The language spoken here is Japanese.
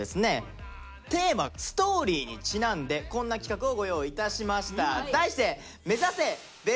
テーマ「ＳＴＯＲＹ」にちなんでこんな企画をご用意いたしました。